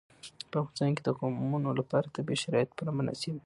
په افغانستان کې د قومونه لپاره طبیعي شرایط پوره مناسب دي.